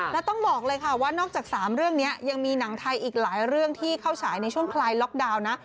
แล้วต้องบอกเลยค่ะว่านอกจาก๓เรื่องนี้ยังมีหนังไทยอีกหลายเรื่องที่เข้าฉายในช่วงคลายล็อกดาวน์นะ